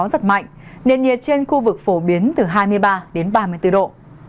gió giật mạnh nền nhiệt trên khu vực phổ biến từ hai mươi ba đến ba mươi bốn độ